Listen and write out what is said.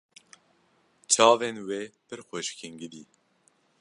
Çavên wê pir xweşik in gidî.